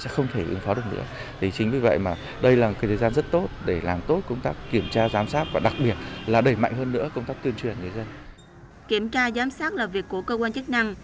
kiểm tra giám sát là việc của cơ quan chức năng